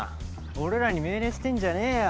俺らに命令してんじゃねえよ。